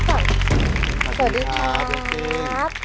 สวัสดีครับ